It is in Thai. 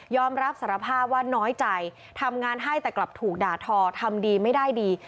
รับสารภาพว่าน้อยใจทำงานให้แต่กลับถูกด่าทอทำดีไม่ได้ดี